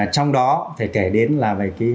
trong đó phải kể đến là